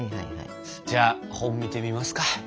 じゃあ本見てみますか。